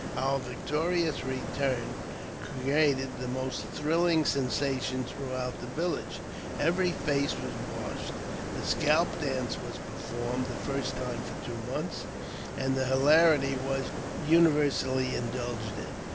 Our victorious return created the most thrilling sensation throughout the village. Every face was washed, the seal dance was performed (the first time for two months), and the hilarity was universally indulged in.